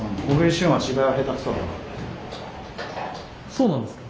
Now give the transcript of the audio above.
そうなんですか？